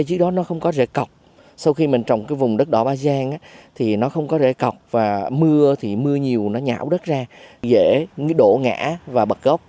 trước đó nó không có rễ cọc sau khi mình trồng cái vùng đất đỏ ba gian thì nó không có rễ cọc và mưa thì mưa nhiều nó nhảo đất ra dễ đổ ngã và bật gốc